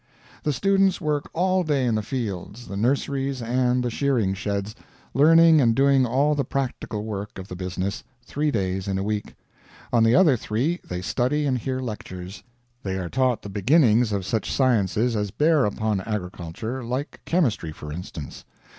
The students work all day in the fields, the nurseries, and the shearing sheds, learning and doing all the practical work of the business three days in a week. On the other three they study and hear lectures. They are taught the beginnings of such sciences as bear upon agriculture like chemistry, for instance.